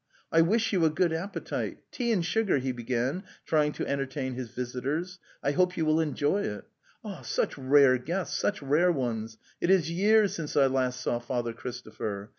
"I wish you a good appetite! Tea and sugar!" he began, trying to entertain his visitors. 'I hope you will enjoy it. Such rare guests, such rare ones; it is years since I last saw Father Christopher.